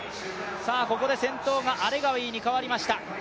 ここで先頭がアレガウィに変わりました。